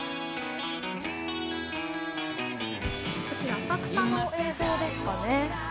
浅草の映像ですかね。